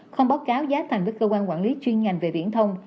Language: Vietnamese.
không báo cáo giá thành với cơ quan quản lý chuyên ngành về viễn thông